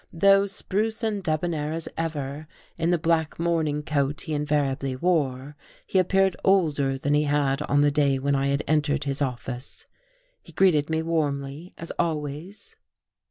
Though spruce and debonnair as ever, in the black morning coat he invariably wore, he appeared older than he had on the day when I had entered his office. He greeted me warmly, as always.